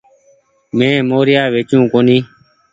مين موريآ ويچو ڪونيٚ ۔